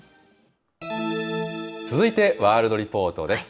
続いて、ワールドリポートです。